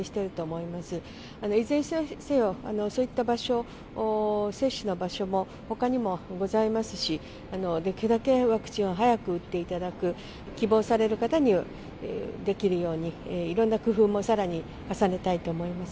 いずれにせよ、そういった場所、接種の場所もほかにもございますし、できるだけワクチンを早く打っていただく、希望される方にできるように、いろんな工夫もさらに重ねたいと思います。